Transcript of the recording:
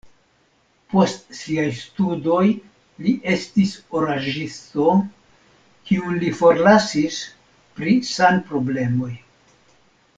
Post siaj studoj li estis oraĵisto, kiun li forlasis pri sanproblemoj.